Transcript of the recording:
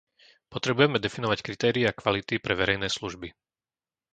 Potrebujeme definovať kritériá kvality pre verejné služby.